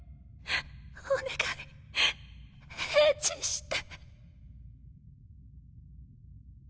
お願い返事して。